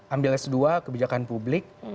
ambil s dua kebijakan publik